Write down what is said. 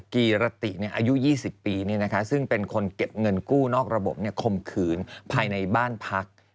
กีรติอายุ๒๐ปีซึ่งเป็นคนเก็บเงินกู้นอกระบบคมขืนภายในบ้านพัก